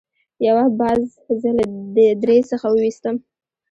یو باز زه له درې څخه وویستم.